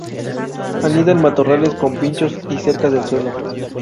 Anida en matorrales con pinchos y cerca del suelo.